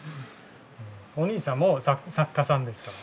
おにいさんも作家さんですか？